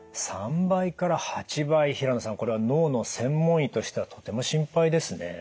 平野さんこれは脳の専門医としてはとても心配ですね。